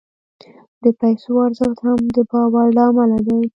د پیسو ارزښت هم د باور له امله دی.